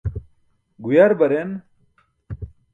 Guyar baren.